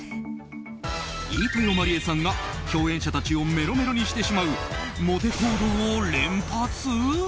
飯豊まりえさんが共演者たちをメロメロにしてしまうモテ行動を連発？